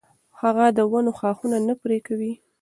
هغه د ونو ښاخونه نه پرې کوي.